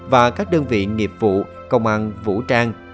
và các đơn vị nghiệp vụ công an vũ trang